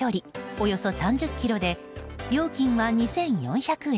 およそ３０ｋｍで料金は２４００円。